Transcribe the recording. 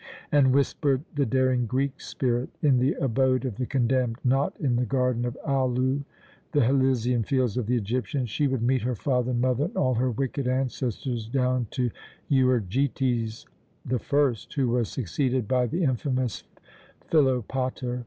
And, whispered the daring Greek spirit, in the abode of the condemned, not in the Garden of Aalu, the Elysian Fields of the Egyptians, she would meet her father and mother and all her wicked ancestors down to Euergetes I, who was succeeded by the infamous Philopater.